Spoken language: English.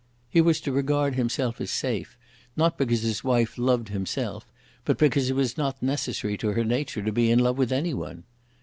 He was to regard himself as safe, not because his wife loved himself, but because it was not necessary to her nature to be in love with any one!